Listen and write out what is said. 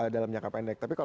dalam jangka pendek tapi kalau